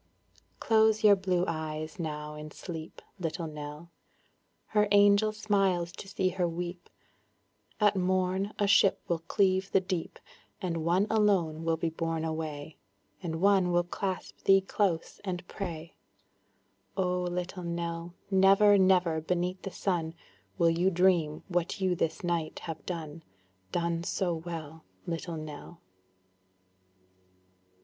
Close your blue eyes now in sleep, Little Nell; Her angel smiles to see her weep; At morn a ship will cleave the deep, And one alone will be borne away, And one will clasp thee close, and pray; Oh Little Nell, Never, never beneath the sun, Will you dream what you this night have done, Done so well, Little Nell.